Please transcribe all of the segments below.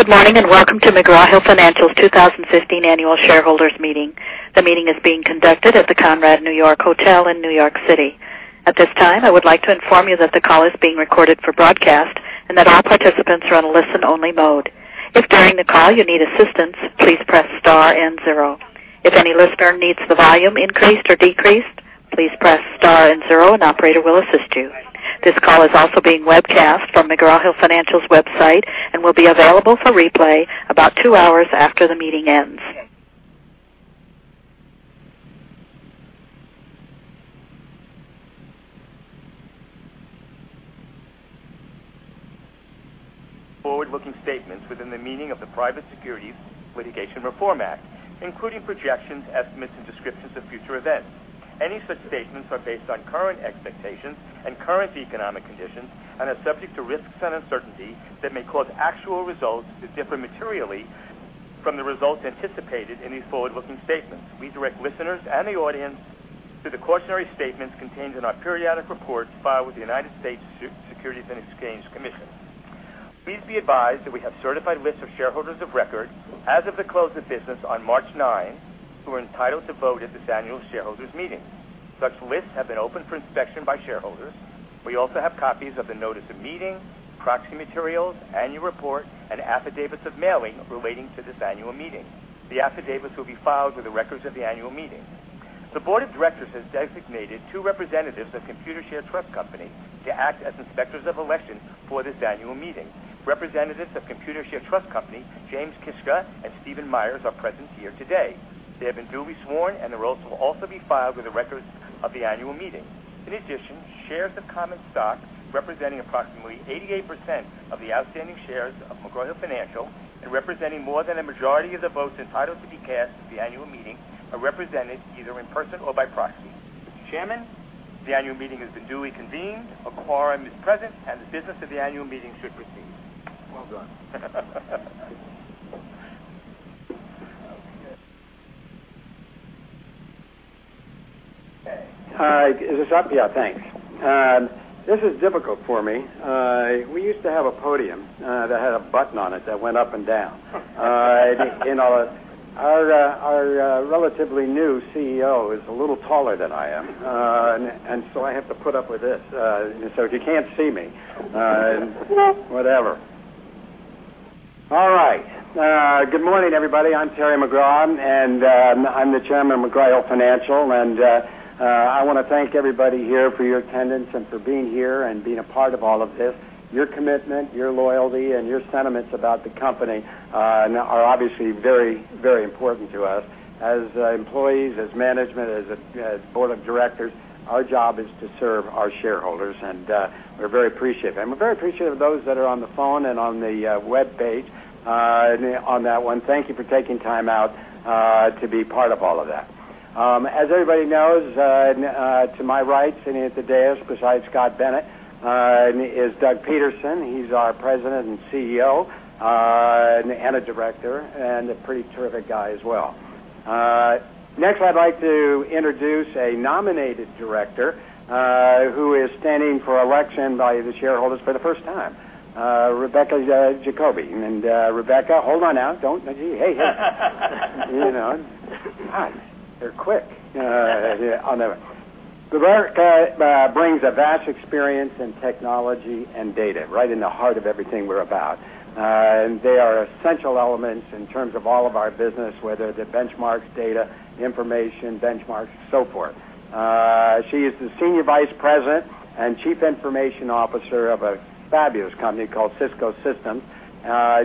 Good morning. Welcome to McGraw Hill Financial's 2015 annual shareholders meeting. The meeting is being conducted at the Conrad New York Hotel in New York City. At this time, I would like to inform you that the call is being recorded for broadcast and that all participants are on listen only mode. If during the call you need assistance, please press star and zero. If any listener needs the volume increased or decreased, please press star and zero and operator will assist you. This call is also being webcast from McGraw Hill Financial's website and will be available for replay about two hours after the meeting ends. Forward-looking statements within the meaning of the Private Securities Litigation Reform Act, including projections, estimates, and descriptions of future events. Any such statements are based on current expectations and current economic conditions and are subject to risks and uncertainty that may cause actual results to differ materially from the results anticipated in these forward-looking statements. We direct listeners and the audience to the cautionary statements contained in our periodic reports filed with the United States Securities and Exchange Commission. Please be advised that we have certified lists of shareholders of record as of the close of business on March ninth, who are entitled to vote at this annual shareholders meeting. Such lists have been open for inspection by shareholders. We also have copies of the notice of meeting, proxy materials, annual report, and affidavits of mailing relating to this annual meeting. The affidavits will be filed with the records of the annual meeting. The board of directors has designated two representatives of Computershare Trust Company to act as inspectors of election for this annual meeting. Representatives of Computershare Trust Company, James Kiska and Steven Myers, are present here today. They have been duly sworn and their oaths will also be filed with the records of the annual meeting. In addition, shares of common stock representing approximately 88% of the outstanding shares of McGraw Hill Financial and representing more than a majority of the votes entitled to be cast at the annual meeting are represented either in person or by proxy. Chairman, the annual meeting has been duly convened, a quorum is present, and the business of the annual meeting should proceed. Well done. Okay. Is this on? Yeah, thanks. This is difficult for me. We used to have a podium that had a button on it that went up and down. Our relatively new CEO is a little taller than I am. So I have to put up with this. So if you can't see me- whatever. All right. Good morning, everybody. I'm Terry McGraw, and I'm the chairman of McGraw Hill Financial. I want to thank everybody here for your attendance and for being here and being a part of all of this. Your commitment, your loyalty, and your sentiments about the company are obviously very, very important to us. As employees, as management, as a board of directors, our job is to serve our shareholders, and we're very appreciative. We're very appreciative of those that are on the phone and on the webpage on that one. Thank you for taking time out to be part of all of that. As everybody knows to my right, sitting at the dais beside Scott Bennett, is Doug Peterson. He's our President and CEO and a Director and a pretty terrific guy as well. Next, I'd like to introduce a nominated Director who is standing for election by the shareholders for the first time, Rebecca Jacoby. Rebecca brings a vast experience in technology and data right in the heart of everything we're about. They are essential elements in terms of all of our business, whether they're benchmarks, data, information, benchmarks, so forth. She is the Senior Vice President and Chief Information Officer of a fabulous company called Cisco Systems.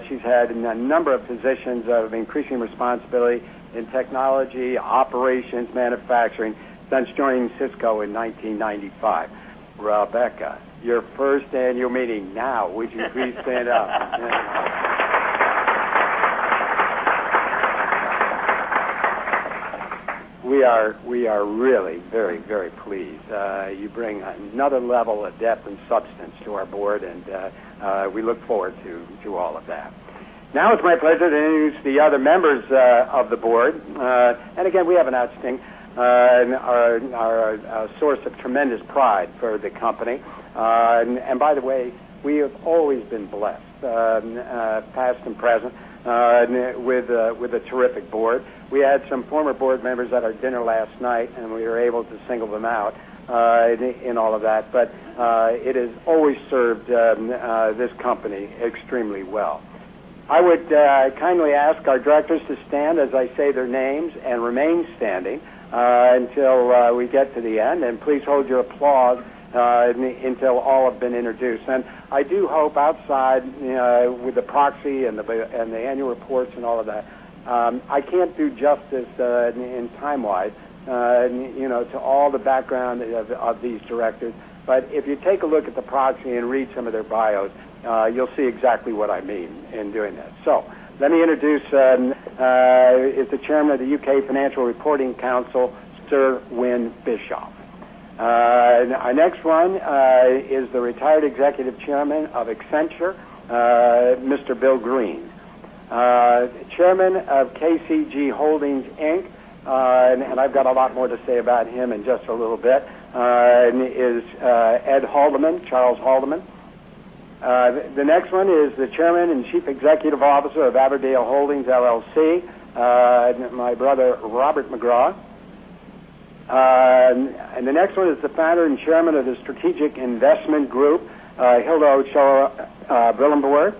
She's had a number of positions of increasing responsibility in technology, operations, manufacturing since joining Cisco in 1995. Rebecca, your first annual meeting. Would you please stand up? We are really very, very pleased. You bring another level of depth and substance to our board, and we look forward to all of that. Now it's my pleasure to introduce the other members of the board. Again, we have an outstanding and are a source of tremendous pride for the company. By the way, we have always been blessed, past and present with a terrific board. We had some former board members at our dinner last night, and we were able to single them out in all of that. But it has always served this company extremely well. I would kindly ask our Directors to stand as I say their names and remain standing until we get to the end. Please hold your applause until all have been introduced. I do hope outside with the proxy and the annual reports and all of that, I can't do justice in time-wise to all the background of these Directors. But if you take a look at the proxy and read some of their bios, you'll see exactly what I mean in doing this. So let me introduce the Chairman of the U.K. Financial Reporting Council, Sir Win Bischoff. Our next one is the retired Executive Chairman of Accenture, Mr. Bill Green. Chairman of KCG Holdings, Inc., and I've got a lot more to say about him in just a little bit, is Charles Haldeman. The next one is the Chairman and Chief Executive Officer of Averdale Holdings, LLC, my brother Robert McGraw. The next one is the Founder and Chairman of the Strategic Investment Group, Hilda Ochoa-Brillembourg.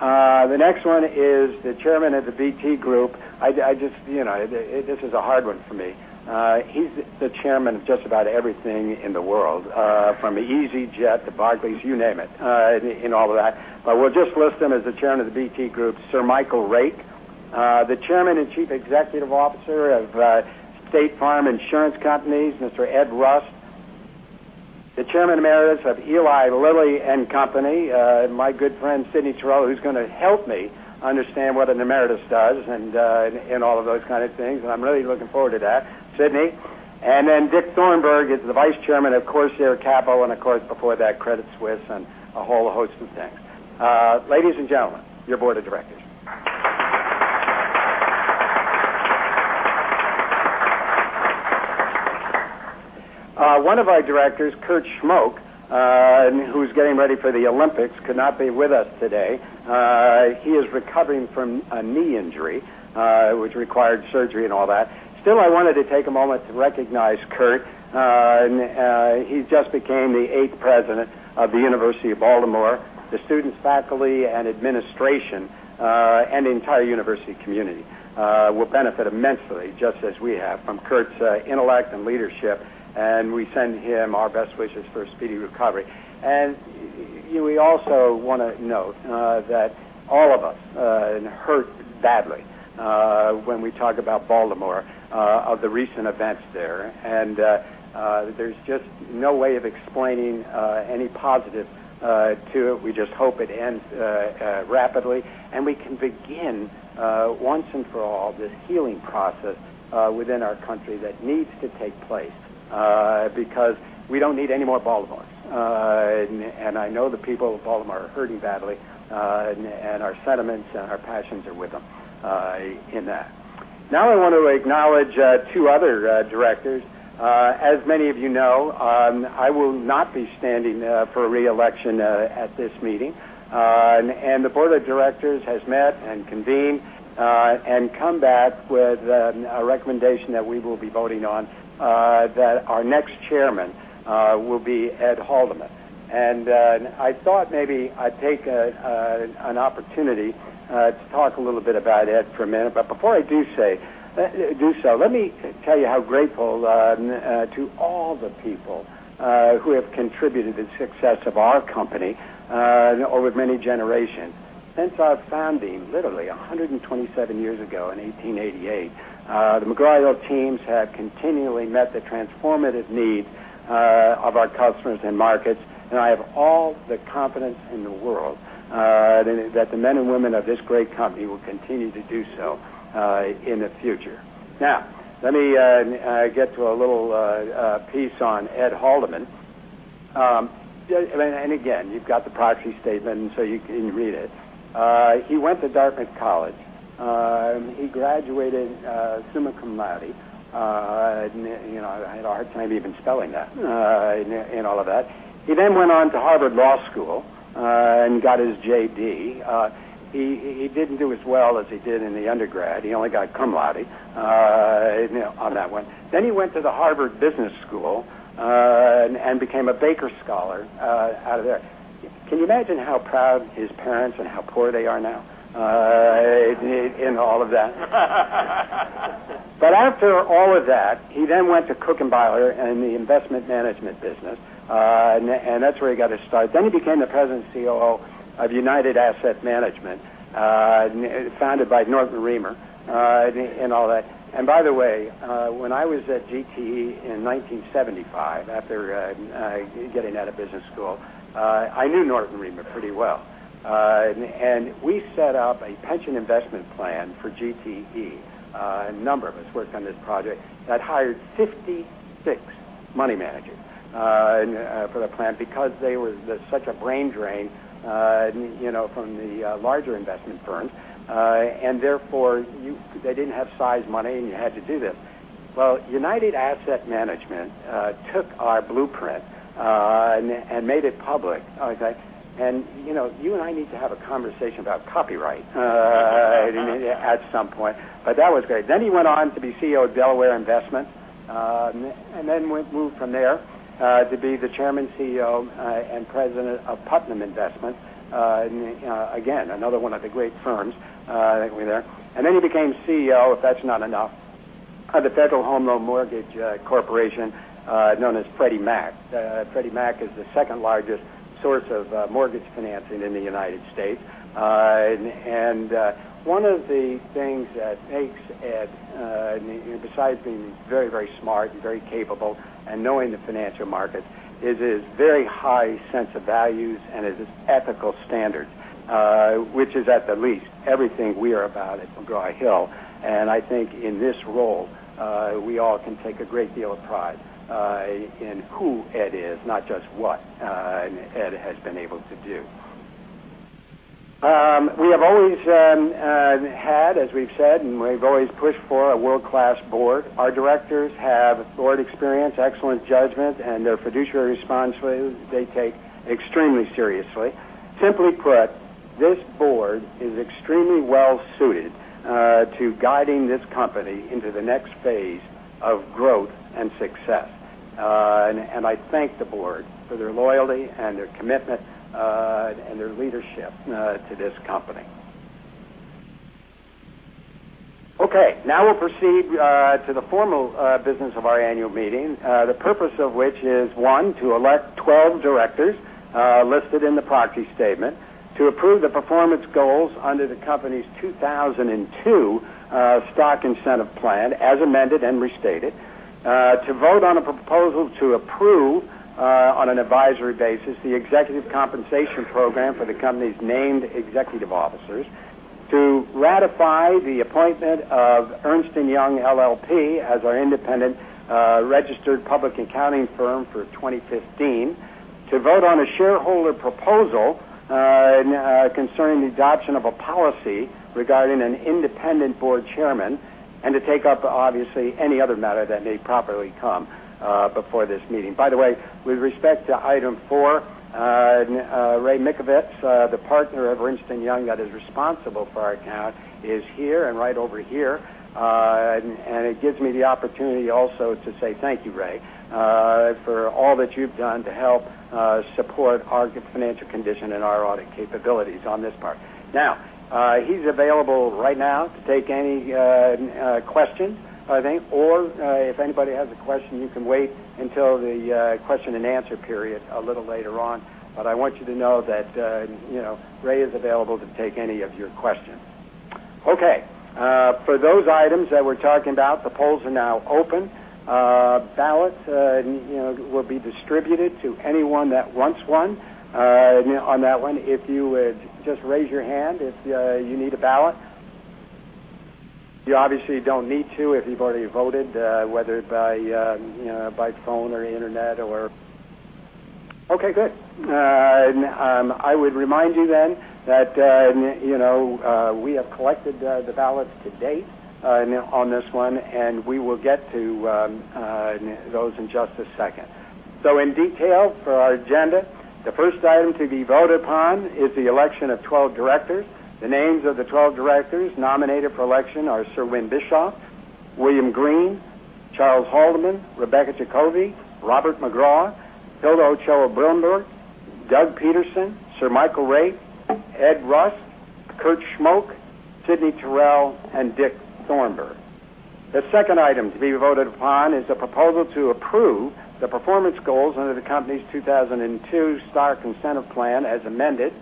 The next one is the Chairman of the BT Group. This is a hard one for me. He's the chairman of just about everything in the world, from easyJet to Barclays, you name it, in all of that. We'll just list him as the Chairman of the BT Group, Sir Michael Rake. The Chairman and Chief Executive Officer of State Farm Insurance Companies, Mr. Ed Rust; the Chairman Emeritus of Eli Lilly and Company, my good friend Sidney Taurel, who's going to help me understand what an emeritus does and all of those kind of things, and I'm really looking forward to that, Sidney. Dick Thornburgh is the vice chairman of Corsair Capital and, of course, before that, Credit Suisse and a whole host of things. Ladies and gentlemen, your board of directors. One of our directors, Kurt Schmoke, who's getting ready for the Olympics, could not be with us today. He is recovering from a knee injury, which required surgery and all that. Still, I wanted to take a moment to recognize Kurt. He just became the eighth president of the University of Baltimore. The students, faculty, administration, and the entire university community will benefit immensely, just as we have from Kurt's intellect and leadership, and we send him our best wishes for a speedy recovery. We also want to note that all of us hurt badly when we talk about Baltimore of the recent events there. There's just no way of explaining any positive to it. We just hope it ends rapidly, and we can begin once and for all this healing process within our country that needs to take place because we don't need any more Baltimores. I know the people of Baltimore are hurting badly, and our sentiments and our passions are with them in that. I want to acknowledge two other directors. As many of you know, I will not be standing for re-election at this meeting. The board of directors has met and convened and come back with a recommendation that we will be voting on that our next chairman will be Ed Haldeman. I thought maybe I'd take an opportunity to talk a little bit about Ed for a minute. Before I do so, let me tell you how grateful to all the people who have contributed to the success of our company over many generations. Since our founding, literally 127 years ago in 1888, the McGraw Hill teams have continually met the transformative needs of our customers and markets, I have all the confidence in the world that the men and women of this great company will continue to do so in the future. Let me get to a little piece on Ed Haldeman. Again, you've got the proxy statement, so you can read it. He went to Dartmouth College. He graduated summa cum laude. I had a hard time even spelling that and all of that. He then went on to Harvard Law School and got his J.D. He didn't do as well as he did in the undergrad. He only got cum laude on that one. He went to the Harvard Business School and became a Baker Scholar out of there. Can you imagine how proud his parents and how poor they are now in all of that? After all of that, he then went to Cooke & Bieler in the investment management business, and that's where he got his start. He became the President and CEO of United Asset Management, founded by Norton Reamer and all that. By the way, when I was at GTE in 1975, after getting out of business school, I knew Norton Reamer pretty well. We set up a pension investment plan for GTE. A number of us worked on this project that hired 56 money managers for the plan because they were such a brain drain from the larger investment firms, and therefore they didn't have size money, and you had to do this. Well, United Asset Management took our blueprint and made it public. You and I need to have a conversation about copyright at some point. That was great. He went on to be CEO of Delaware Investments, then moved from there to be the Chairman, CEO, and President of Putnam Investments. Again, another one of the great firms over there. He became CEO, if that's not enough, of the Federal Home Loan Mortgage Corporation, known as Freddie Mac. Freddie Mac is the second largest source of mortgage financing in the United States. One of the things that makes Ed, besides being very, very smart and very capable and knowing the financial markets, is his very high sense of values and his ethical standards, which is at the least everything we are about at McGraw Hill Financial. I think in this role, we all can take a great deal of pride in who Ed is, not just what Ed has been able to do. We have always had, as we've said, and we've always pushed for, a world-class board. Our directors have board experience, excellent judgment, and their fiduciary responsibilities they take extremely seriously. Simply put, this board is extremely well-suited to guiding this company into the next phase of growth and success. I thank the board for their loyalty and their commitment, and their leadership to this company. Okay. We'll proceed to the formal business of our annual meeting, the purpose of which is, one, to elect 12 directors listed in the proxy statement, to approve the performance goals under the company's 2002 Stock Incentive Plan, as amended and restated, to vote on a proposal to approve, on an advisory basis, the executive compensation program for the company's named executive officers, to ratify the appointment of Ernst & Young LLP as our independent registered public accounting firm for 2015, to vote on a shareholder proposal concerning the adoption of a policy regarding an independent board chairman, to take up, obviously, any other matter that may properly come before this meeting. With respect to item four, Ray Mikkola, the partner of Ernst & Young that is responsible for our account, is here and right over here. It gives me the opportunity also to say thank you, Ray, for all that you've done to help support our financial condition and our audit capabilities on this part. He's available right now to take any questions, I think, or if anybody has a question, you can wait until the question and answer period a little later on. I want you to know that Ray is available to take any of your questions. Okay. For those items that we're talking about, the polls are now open. Ballots will be distributed to anyone that wants one on that one. If you would just raise your hand if you need a ballot. You obviously don't need to if you've already voted, whether by phone or internet or Okay, good. I would remind you then that we have collected the ballots to date on this one, and we will get to those in just a second. In detail for our agenda, the first item to be voted upon is the election of 12 directors. The names of the 12 directors nominated for election are Winfried Bischoff, William Green, Charles Haldeman, Rebecca Jacoby, Robert McGraw, Hilda Ochoa-Brillembourg, Doug Peterson, Michael Rake, Ed Rust, Kurt Schmoke, Sidney Taurel, and Dick Thornburgh. The second item to be voted upon is a proposal to approve the performance goals under the company's 2002 Stock Incentive Plan as amended.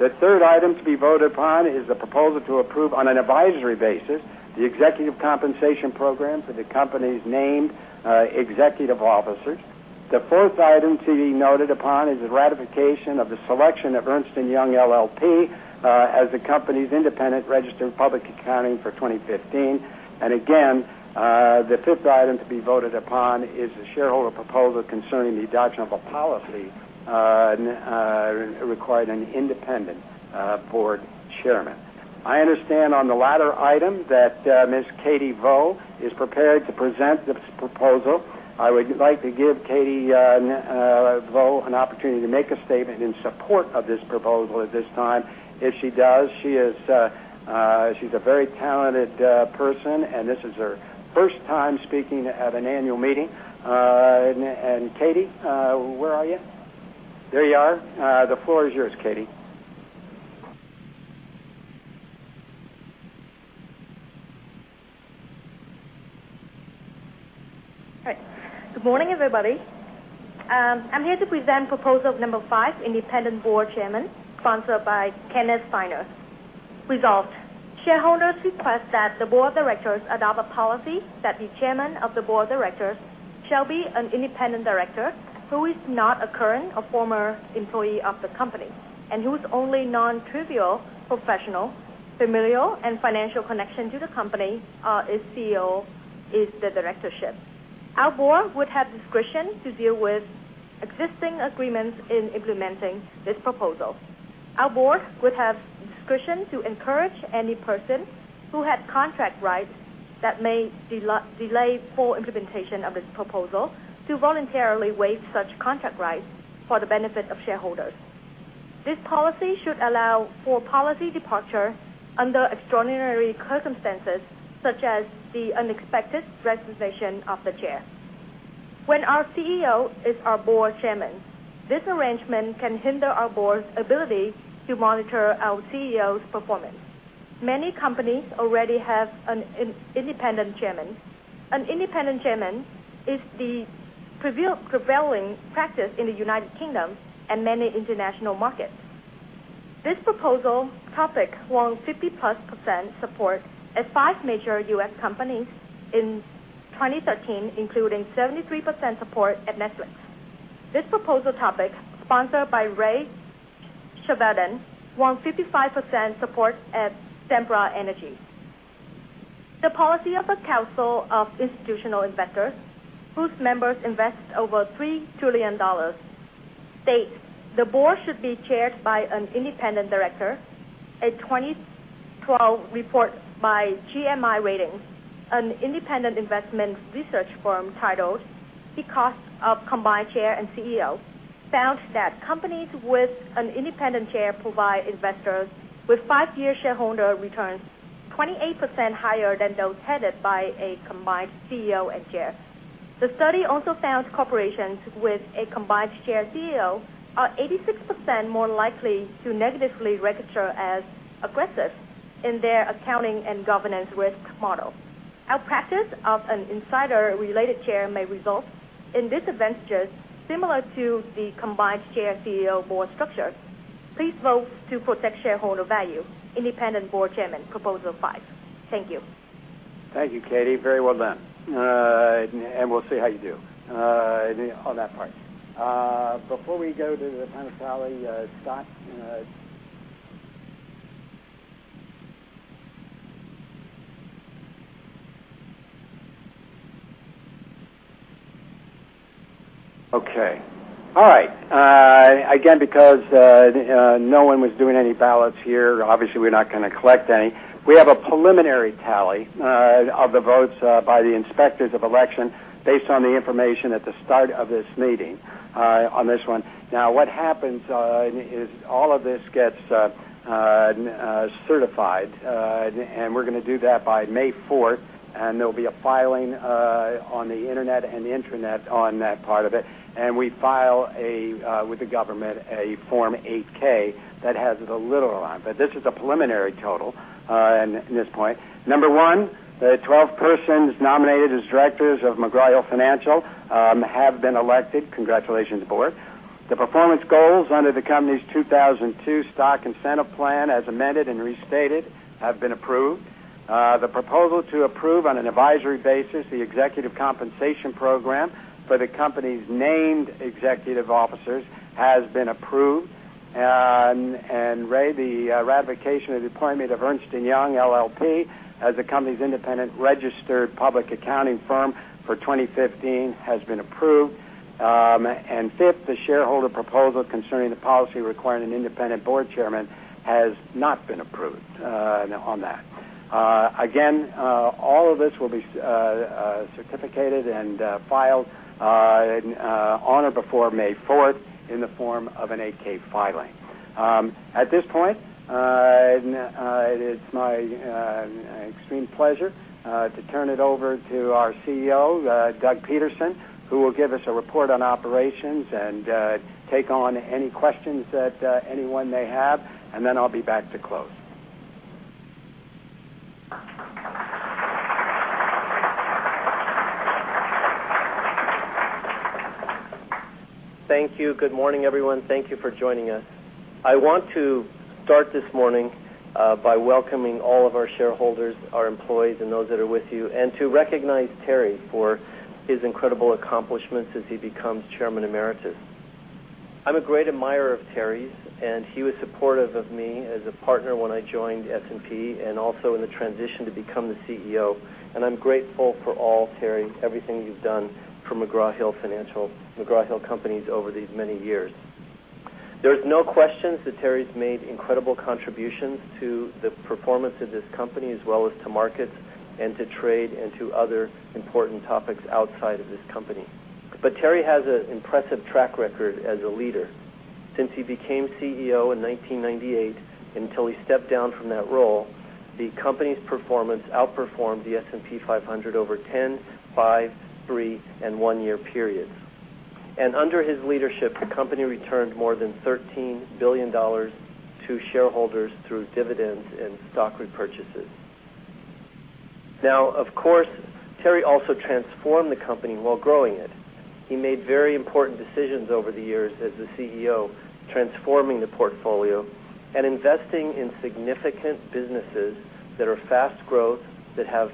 The third item to be voted upon is a proposal to approve, on an advisory basis, the executive compensation program for the company's named executive officers. The fourth item to be voted upon is the ratification of the selection of Ernst & Young LLP as the company's independent registered public accounting for 2015. Again, the fifth item to be voted upon is a shareholder proposal concerning the adoption of a policy requiring an independent board chairman. I understand on the latter item that Ms. Katie Vo is prepared to present this proposal. I would like to give Katie Vo an opportunity to make a statement in support of this proposal at this time. If she does, she's a very talented person, and this is her first time speaking at an annual meeting. Katie, where are you? There you are. The floor is yours, Katie. All right. Good morning, everybody. I'm here to present proposal number five, Independent Board Chairman, sponsored by Kenneth Steiner. Resolved, shareholders request that the board of directors adopt a policy that the chairman of the board of directors shall be an independent director who is not a current or former employee of the company and whose only non-trivial professional, familial, and financial connection to the company is the directorship. Our board would have discretion to deal with existing agreements in implementing this proposal. Our board would have discretion to encourage any person who had contract rights that may delay full implementation of this proposal to voluntarily waive such contract rights for the benefit of shareholders. This policy should allow for policy departure under extraordinary circumstances, such as the unexpected resignation of the chair. When our CEO is our board chairman, this arrangement can hinder our board's ability to monitor our CEO's performance. Many companies already have an independent chairman. An independent chairman is the prevailing practice in the United Kingdom and many international markets. This proposal topic won 50-plus% support at five major U.S. companies in 2013, including 73% support at Netflix. This proposal topic, sponsored by Ray Chevedden, won 55% support at Sempra Energy. The policy of the Council of Institutional Investors, whose members invest over $3 trillion, states the board should be chaired by an independent director. A 2012 report by GMI Ratings, an independent investment research firm, titled "The Cost of Combined Chair and CEO," found that companies with an independent chair provide investors with five-year shareholder returns 28% higher than those headed by a combined CEO and chair. The study also found corporations with a combined Chair CEO are 86% more likely to negatively register as aggressive in their accounting and governance risk model. Our practice of an insider-related Chair may result in disadvantages similar to the combined Chair CEO board structure. Please vote to protect shareholder value, independent board chairman, proposal five. Thank you. Thank you, Katie. Very well done. We'll see how you do on that part. Before we go to the final tally, Scott. Okay. All right. Because no one was doing any ballots here, obviously, we're not going to collect any. We have a preliminary tally of the votes by the inspectors of election based on the information at the start of this meeting on this one. Now, what happens is all of this gets certified, and we're going to do that by May 4th, and there'll be a filing on the internet and the intranet on that part of it. We file with the government a Form 8-K that has it a little on. This is a preliminary total at this point. Number 1, the 12 persons nominated as directors of McGraw Hill Financial have been elected. Congratulations, board. The performance goals under the company's 2002 Stock Incentive Plan, as amended and restated, have been approved. The proposal to approve on an advisory basis the executive compensation program for the company's named executive officers has been approved. The ratification of the appointment of Ernst & Young LLP as the company's independent registered public accounting firm for 2015 has been approved. Fifth, the shareholder proposal concerning the policy requiring an independent board chairman has not been approved on that. Again, all of this will be certificated and filed on or before May 4th in the form of an 8-K filing. At this point, it's my extreme pleasure to turn it over to our CEO, Doug Peterson, who will give us a report on operations and take on any questions that anyone may have, and then I'll be back to close. Thank you. Good morning, everyone. Thank you for joining us. I want to start this morning by welcoming all of our shareholders, our employees, and those that are with you, to recognize Terry for his incredible accomplishments as he becomes chairman emeritus. I'm a great admirer of Terry's, he was supportive of me as a partner when I joined S&P and also in the transition to become the CEO. I'm grateful for all, Terry, everything you've done for McGraw Hill Financial, McGraw Hill Companies over these many years. There is no question that Terry's made incredible contributions to the performance of this company, as well as to markets and to trade and to other important topics outside of this company. Terry has an impressive track record as a leader. Since he became CEO in 1998 until he stepped down from that role, the company's performance outperformed the S&P 500 over 10, five, three, and one-year periods. Under his leadership, the company returned more than $13 billion to shareholders through dividends and stock repurchases. Of course, Terry also transformed the company while growing it. He made very important decisions over the years as the CEO, transforming the portfolio and investing in significant businesses that are fast growth, that have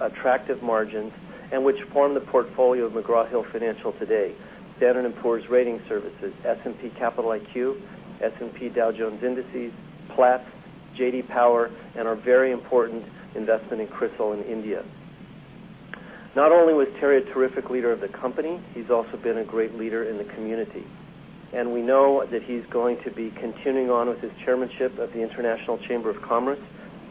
attractive margins, and which form the portfolio of McGraw Hill Financial today. Standard & Poor's Ratings Services, S&P Capital IQ, S&P Dow Jones Indices, Platts, J.D. Power, and our very important investment in CRISIL in India. Not only was Terry a terrific leader of the company, he's also been a great leader in the community. We know that he's going to be continuing on with his chairmanship of the International Chamber of Commerce,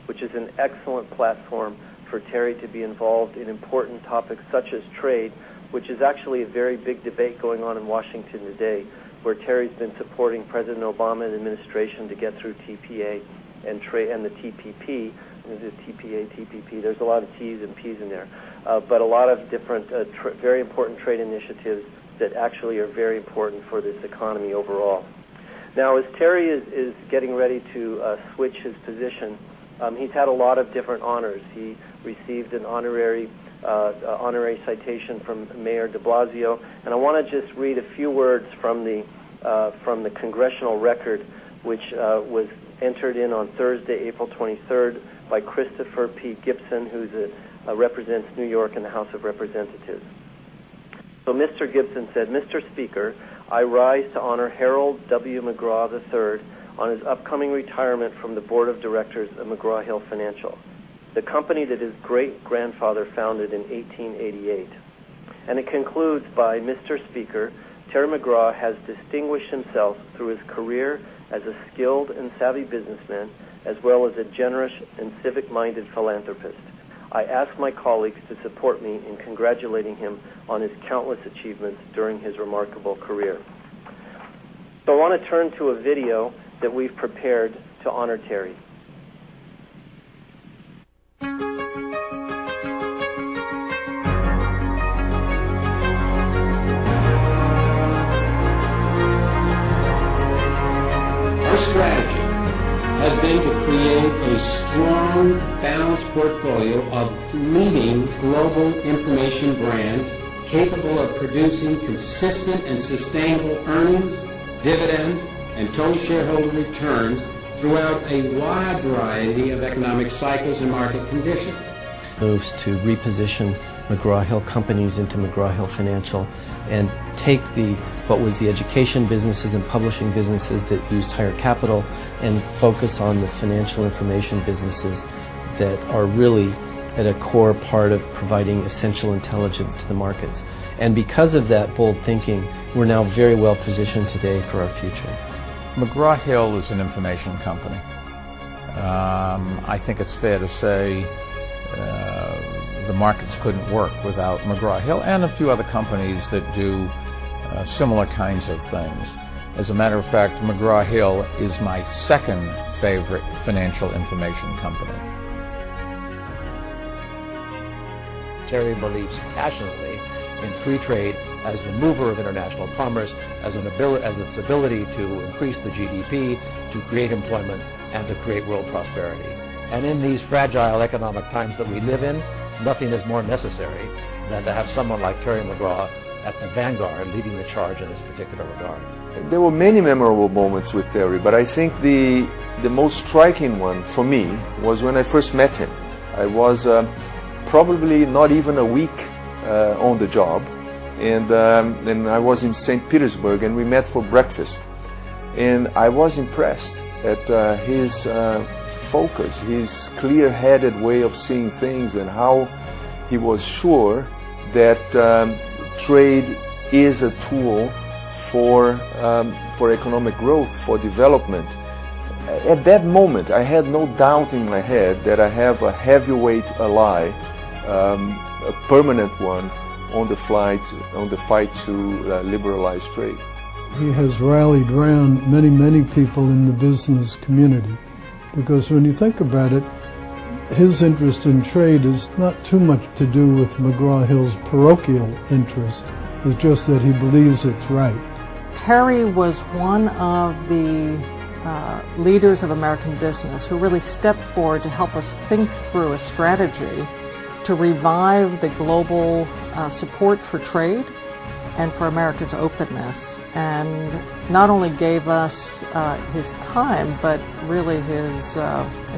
which is an excellent platform for Terry to be involved in important topics such as trade, which is actually a very big debate going on in Washington today, where Terry's been supporting President Obama and the administration to get through TPA and the TPP. TPA, TPP, there's a lot of T's and P's in there. A lot of different, very important trade initiatives that actually are very important for this economy overall. As Terry is getting ready to switch his position, he's had a lot of different honors. He received an honorary citation from Mayor de Blasio, and I want to just read a few words from the Congressional Record, which was entered in on Thursday, April 23rd, by Christopher P. Gibson, who represents New York in the House of Representatives. Mr. Gibson said, "Mr. Speaker, I rise to honor Harold W. McGraw III on his upcoming retirement from the board of directors of McGraw Hill Financial, the company that his great-grandfather founded in 1888." It concludes by, "Mr. Speaker, Terry McGraw has distinguished himself through his career as a skilled and savvy businessman, as well as a generous and civic-minded philanthropist. I ask my colleagues to support me in congratulating him on his countless achievements during his remarkable career." I want to turn to a video that we've prepared to honor Terry. Our strategy has been to create a strong, balanced portfolio of leading global information brands capable of producing consistent and sustainable earnings, dividends, and total shareholder returns throughout a wide variety of economic cycles and market conditions. Moves to reposition McGraw Hill companies into McGraw Hill Financial and take what was the education businesses and publishing businesses that use higher capital and focus on the financial information businesses that are really at a core part of providing essential intelligence to the markets. Because of that bold thinking, we're now very well-positioned today for our future. McGraw Hill is an information company. I think it's fair to say the markets couldn't work without McGraw Hill and a few other companies that do similar kinds of things. As a matter of fact, McGraw Hill is my second favorite financial information company. Terry believes passionately in free trade as the mover of international commerce, as its ability to increase the GDP, to create employment, and to create world prosperity. In these fragile economic times that we live in, nothing is more necessary than to have someone like Terry McGraw at the vanguard leading the charge in this particular regard. There were many memorable moments with Terry, but I think the most striking one for me was when I first met him. I was probably not even a week on the job, and I was in St. Petersburg, and we met for breakfast. I was impressed at his focus, his clear-headed way of seeing things, and how he was sure that trade is a tool for economic growth, for development. At that moment, I had no doubt in my head that I have a heavyweight ally, a permanent one, on the fight to liberalize trade. He has rallied around many people in the business community because when you think about it, his interest in trade is not too much to do with McGraw Hill's parochial interest. It's just that he believes it's right. Terry was one of the leaders of American business who really stepped forward to help us think through a strategy to revive the global support for trade and for America's openness, and not only gave us his time but really his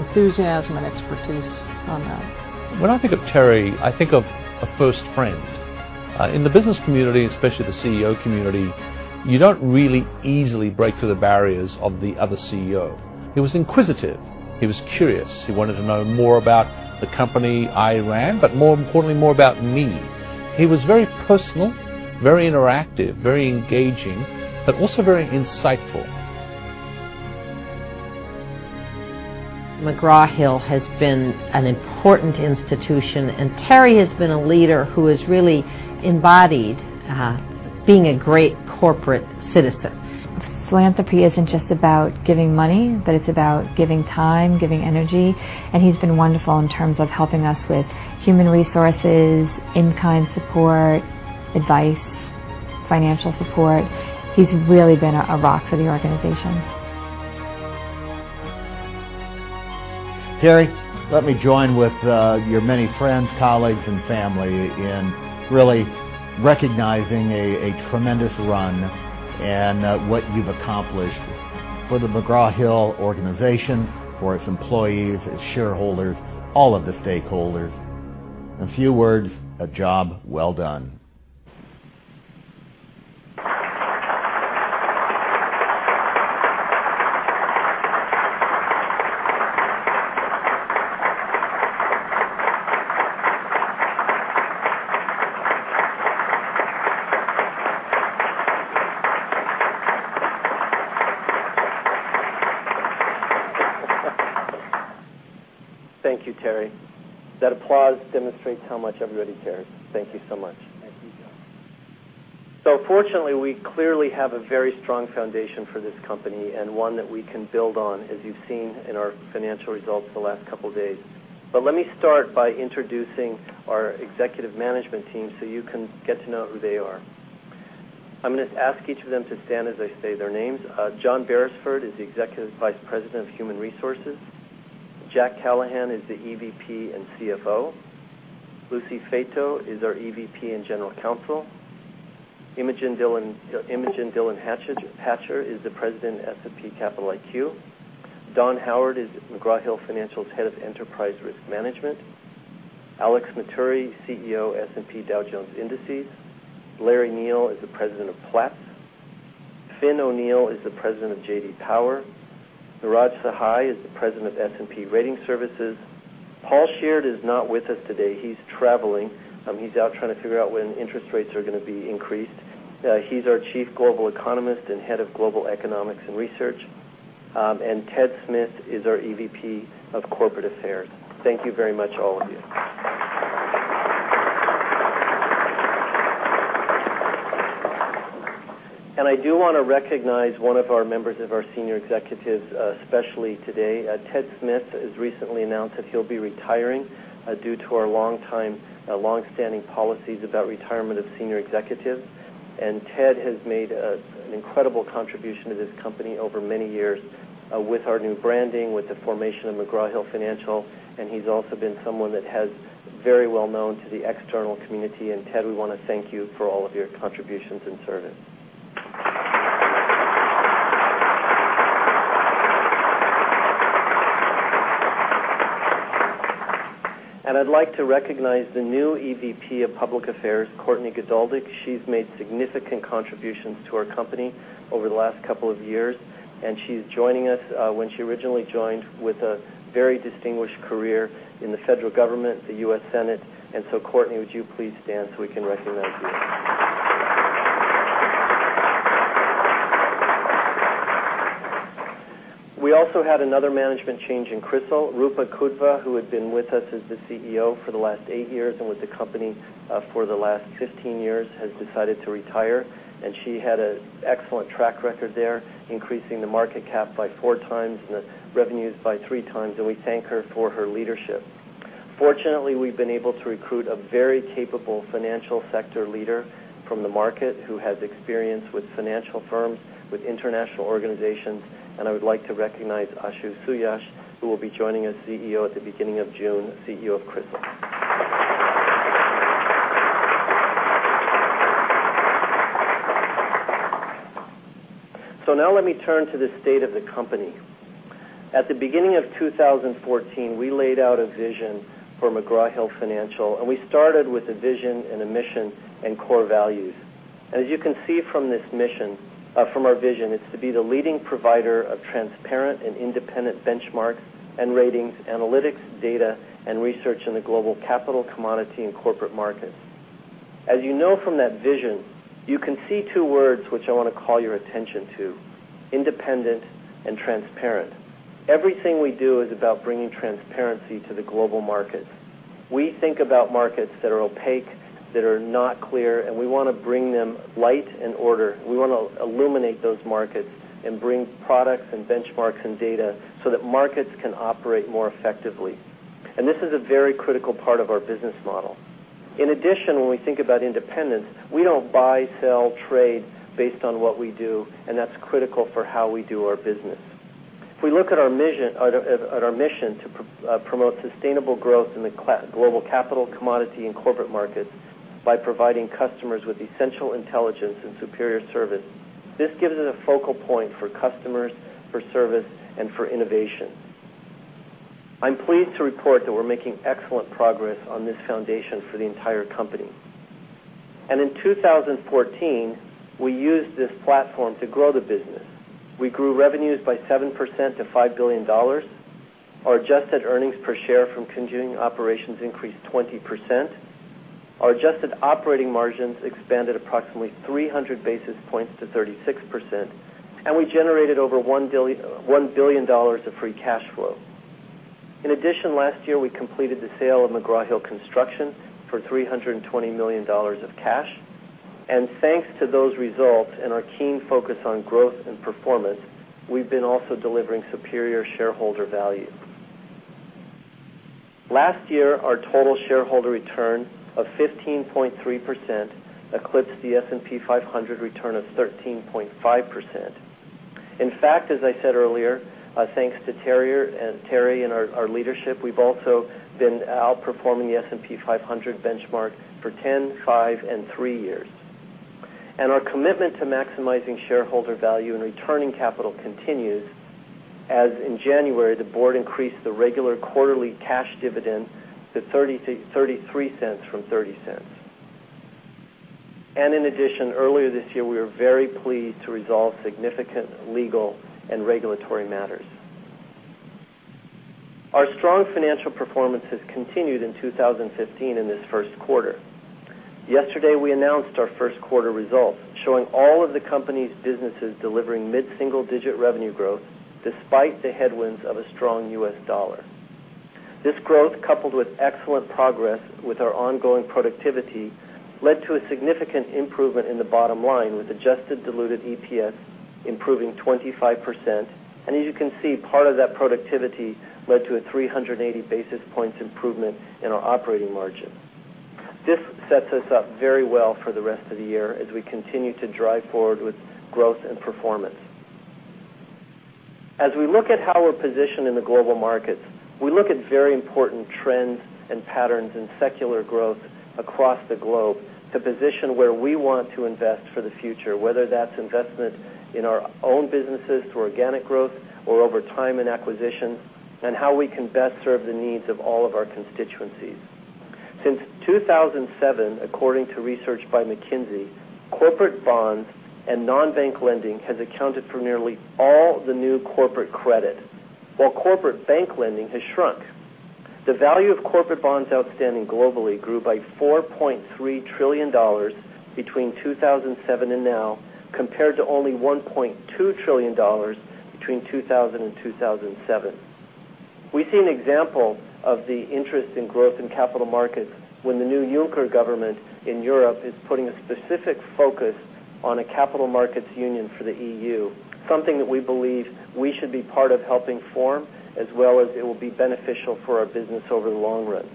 enthusiasm and expertise on that. When I think of Terry, I think of a first friend. In the business community, especially the CEO community, you don't really easily break through the barriers of the other CEO. He was inquisitive. He was curious. He wanted to know more about the company I ran, but more importantly, more about me. He was very personal, very interactive, very engaging, but also very insightful. McGraw Hill has been an important institution, and Terry has been a leader who has really embodied being a great corporate citizen. Philanthropy isn't just about giving money, but it's about giving time, giving energy, and he's been wonderful in terms of helping us with human resources, in-kind support, advice, financial support. He's really been a rock for the organization. Terry, let me join with your many friends, colleagues, and family in really recognizing a tremendous run and what you've accomplished for the McGraw Hill organization, for its employees, its shareholders, all of the stakeholders. In a few words, a job well done. Thank you, Terry. That applause demonstrates how much everybody cares. Thank you so much. Thank you, Doug. Fortunately, we clearly have a very strong foundation for this company and one that we can build on, as you've seen in our financial results the last couple of days. Let me start by introducing our executive management team so you can get to know who they are. I'm going to ask each of them to stand as I say their names. John Beresford is the Executive Vice President of Human Resources. Jack Callahan is the EVP and CFO. Lucy Fato is our EVP and General Counsel. Imogen Dillon-Hatcher is the President of S&P Capital IQ. Don Howard is McGraw Hill Financial's Head of Enterprise Risk Management. Alex Matturri, CEO, S&P Dow Jones Indices. Larry Neal is the President of Platts. Finn O'Neill is the President of J.D. Power. Neeraj Sahai is the President of S&P Ratings Services. Paul Sheard is not with us today. He's traveling. He's out trying to figure out when interest rates are going to be increased. He's our Chief Global Economist and Head of Global Economics and Research. Ted Smyth is our EVP of Corporate Affairs. Thank you very much, all of you. I do want to recognize one of our members of our senior executives, especially today. Ted Smyth has recently announced that he'll be retiring due to our long-standing policies about retirement of senior executives. Ted has made an incredible contribution to this company over many years, with our new branding, with the formation of McGraw Hill Financial, and he's also been someone that has very well known to the external community. Ted, we want to thank you for all of your contributions and service. I'd like to recognize the new EVP of Public Affairs, Courtney Geduldig. She's made significant contributions to our company over the last couple of years, and she's joining us, when she originally joined, with a very distinguished career in the federal government, the U.S. Senate. Courtney, would you please stand so we can recognize you? We also had another management change in CRISIL. Roopa Kudva, who had been with us as the CEO for the last eight years and with the company for the last 15 years, has decided to retire, and she had an excellent track record there, increasing the market cap by four times and the revenues by three times, and we thank her for her leadership. Fortunately, we've been able to recruit a very capable financial sector leader from the market who has experience with financial firms, with international organizations, and I would like to recognize Ashu Suyash, who will be joining as CEO at the beginning of June, CEO of CRISIL. Now let me turn to the state of the company. At the beginning of 2014, we laid out a vision for McGraw Hill Financial, and we started with a vision and a mission and core values. As you can see from our vision, it's to be the leading provider of transparent and independent benchmarks and ratings, analytics, data, and research in the global capital commodity and corporate markets. As you know from that vision, you can see two words which I want to call your attention to, independent and transparent. Everything we do is about bringing transparency to the global markets. We think about markets that are opaque, that are not clear, we want to bring them light and order. We want to illuminate those markets and bring products and benchmarks and data so that markets can operate more effectively. This is a very critical part of our business model. In addition, when we think about independence, we don't buy, sell, trade based on what we do, that's critical for how we do our business. If we look at our mission to promote sustainable growth in the global capital commodity and corporate markets by providing customers with essential intelligence and superior service, this gives it a focal point for customers, for service, and for innovation. I'm pleased to report that we're making excellent progress on this foundation for the entire company. In 2014, we used this platform to grow the business. We grew revenues by 7% to $5 billion. Our adjusted earnings per share from continuing operations increased 20%. Our adjusted operating margins expanded approximately 300 basis points to 36%, we generated over $1 billion of free cash flow. In addition, last year, we completed the sale of McGraw Hill Construction for $320 million of cash. Thanks to those results and our keen focus on growth and performance, we've been also delivering superior shareholder value. Last year, our total shareholder return of 15.3% eclipsed the S&P 500 return of 13.5%. In fact, as I said earlier, thanks to Terry and our leadership, we've also been outperforming the S&P 500 benchmark for 10, five, and three years. Our commitment to maximizing shareholder value and returning capital continues, as in January, the board increased the regular quarterly cash dividend to $0.33 from $0.30. In addition, earlier this year, we were very pleased to resolve significant legal and regulatory matters. Our strong financial performance has continued in 2015 in this first quarter. Yesterday, we announced our first quarter results, showing all of the company's businesses delivering mid-single-digit revenue growth despite the headwinds of a strong U.S. dollar. This growth, coupled with excellent progress with our ongoing productivity, led to a significant improvement in the bottom line, with adjusted diluted EPS improving 25%. As you can see, part of that productivity led to a 380 basis points improvement in our operating margin. This sets us up very well for the rest of the year as we continue to drive forward with growth and performance. As we look at how we're positioned in the global markets, we look at very important trends and patterns in secular growth across the globe to position where we want to invest for the future, whether that's investment in our own businesses through organic growth or over time and acquisition, and how we can best serve the needs of all of our constituencies. Since 2007, according to research by McKinsey, corporate bonds and non-bank lending has accounted for nearly all the new corporate credit, while corporate bank lending has shrunk. The value of corporate bonds outstanding globally grew by $4.3 trillion between 2007 and now, compared to only $1.2 trillion between 2000 and 2007. We see an example of the interest in growth in capital markets when the new Juncker government in Europe is putting a specific focus on a capital markets union for the EU, something that we believe we should be part of helping form, as well as it will be beneficial for our business over the long run.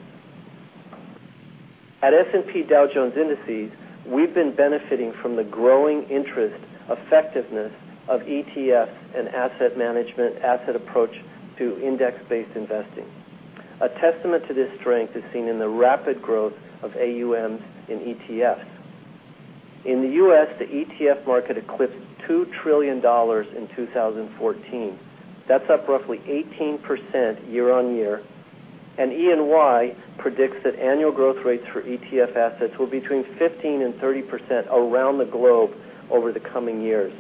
At S&P Dow Jones Indices, we've been benefiting from the growing interest effectiveness of ETFs and asset management, asset approach to index-based investing. A testament to this strength is seen in the rapid growth of AUMs in ETFs. In the U.S., the ETF market eclipsed $2 trillion in 2014. That's up roughly 18% year-on-year, and EY predicts that annual growth rates for ETF assets will be between 15% and 30% around the globe over the coming years.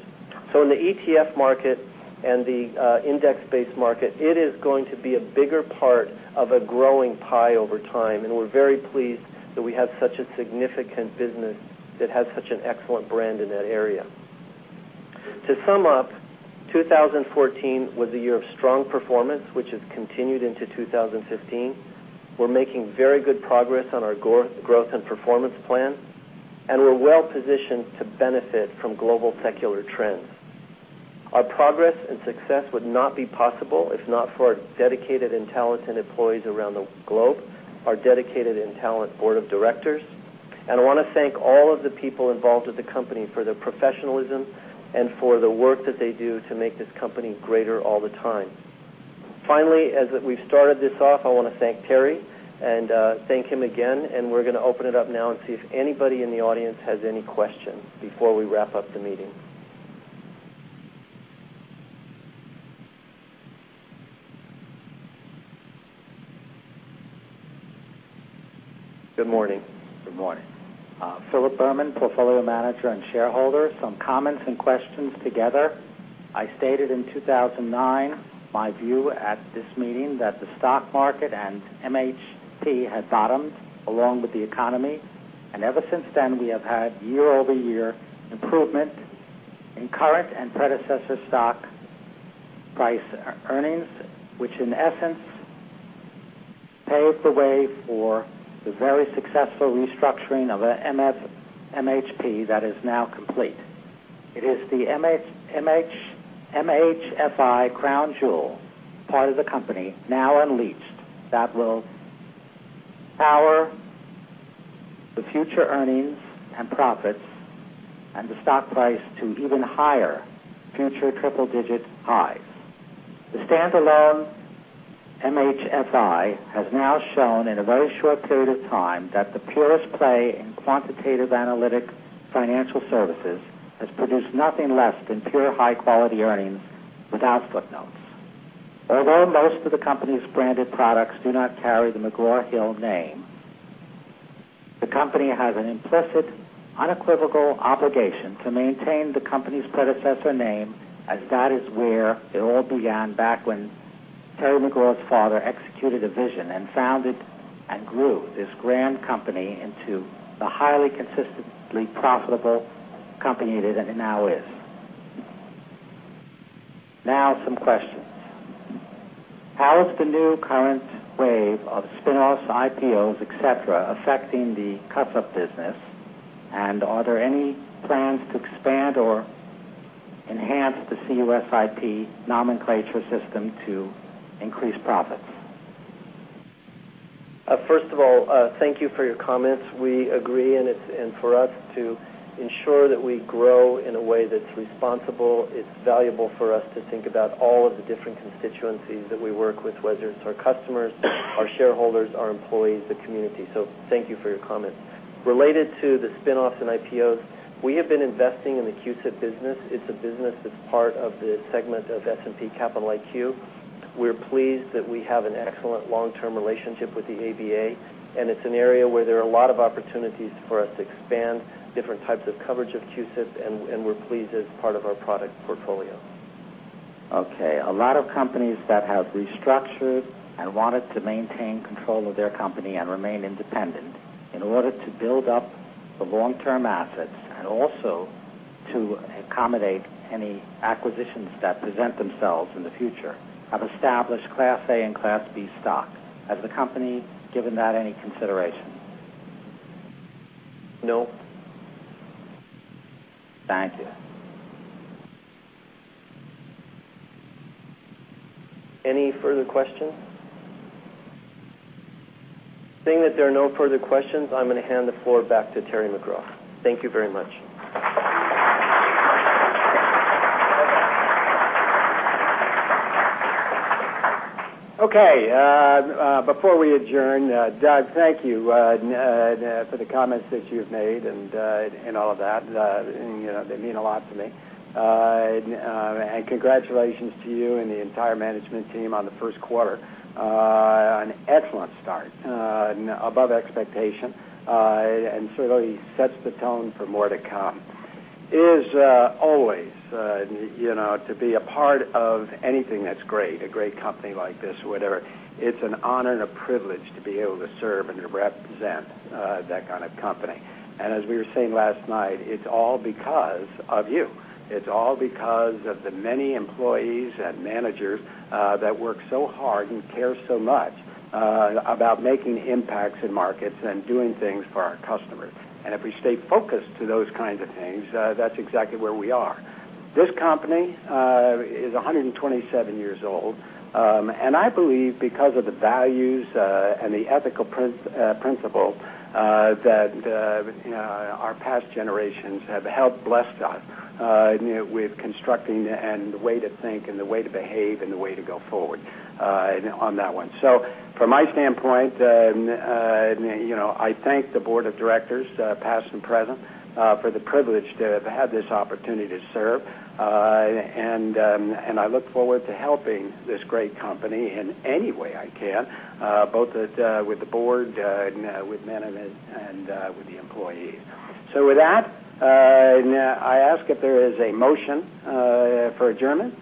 In the ETF market and the index-based market, it is going to be a bigger part of a growing pie over time, we're very pleased that we have such a significant business that has such an excellent brand in that area. To sum up, 2014 was a year of strong performance, which has continued into 2015. We're making very good progress on our growth and performance plan, we're well-positioned to benefit from global secular trends. Our progress and success would not be possible if not for our dedicated and talented employees around the globe, our dedicated and talented board of directors, I want to thank all of the people involved with the company for their professionalism and for the work that they do to make this company greater all the time. Finally, as we've started this off, I want to thank Terry and thank him again, we're going to open it up now and see if anybody in the audience has any questions before we wrap up the meeting. Good morning. Good morning. Philip Berman, portfolio manager and shareholder. Some comments and questions together. I stated in 2009 my view at this meeting that the stock market and MHP had bottomed, along with the economy, and ever since then, we have had year-over-year improvement in current and predecessor stock price earnings, which in essence paved the way for the very successful restructuring of MHP that is now complete. It is the MHFI crown jewel part of the company, now unleashed, that will power the future earnings and profits and the stock price to even higher future triple-digit highs. The standalone MHFI has now shown in a very short period of time that the purest play in quantitative analytic financial services has produced nothing less than pure high-quality earnings without footnotes. Although most of the company's branded products do not carry the McGraw Hill name, the company has an implicit, unequivocal obligation to maintain the company's predecessor name, as that is where it all began back when Terry McGraw's father executed a vision and founded and grew this grand company into the highly consistently profitable company that it now is. Now, some questions. How is the new current wave of spinoffs, IPOs, et cetera, affecting the CUSIP business, and are there any plans to expand or enhance the CUSIP nomenclature system to increase profits? First of all, thank you for your comments. We agree, for us to ensure that we grow in a way that's responsible, it's valuable for us to think about all of the different constituencies that we work with, whether it's our customers, our shareholders, our employees, the community. Thank you for your comments. Related to the spinoffs and IPOs, we have been investing in the CUSIP business. It's a business that's part of the segment of S&P Capital IQ. We're pleased that we have an excellent long-term relationship with the ABA, it's an area where there are a lot of opportunities for us to expand different types of coverage of CUSIP, and we're pleased it's part of our product portfolio. Okay. A lot of companies that have restructured and wanted to maintain control of their company and remain independent in order to build up the long-term assets and also to accommodate any acquisitions that present themselves in the future have established Class A and Class B stock. Has the company given that any consideration? No. Thank you. Any further questions? Seeing that there are no further questions, I'm going to hand the floor back to Terry McGraw. Thank you very much. Okay. Before we adjourn, Doug, thank you for the comments that you've made and all of that. They mean a lot to me. Congratulations to you and the entire management team on the first quarter. An excellent start, above expectation, and certainly sets the tone for more to come. Is always to be a part of anything that's great, a great company like this or whatever. It's an honor and a privilege to be able to serve and to represent that kind of company. As we were saying last night, it's all because of you. It's all because of the many employees and managers that work so hard and care so much about making impacts in markets and doing things for our customers. If we stay focused to those kinds of things, that's exactly where we are. This company is 127 years old. I believe because of the values and the ethical principle that our past generations have helped bless us with constructing and the way to think and the way to behave and the way to go forward on that one. From my standpoint, I thank the Board of Directors, past and present, for the privilege to have had this opportunity to serve. I look forward to helping this great company in any way I can, both with the Board, with management, and with the employees. With that, I ask if there is a motion for adjournment.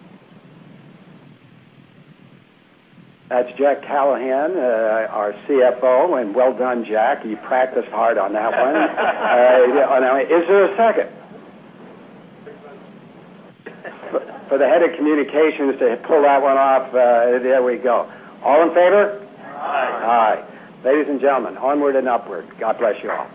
That's Jack Callahan, our CFO, and well done, Jack. You practiced hard on that one. Is there a second? Second. For the head of communications to pull that one off, there we go. All in favor? Aye. Aye. Ladies and gentlemen, onward and upward. God bless you all.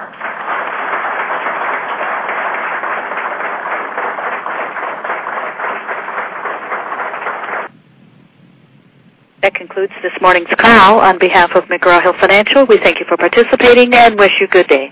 That concludes this morning's call. On behalf of McGraw Hill Financial, we thank you for participating and wish you good day.